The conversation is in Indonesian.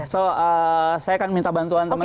so saya akan minta bantuan teman teman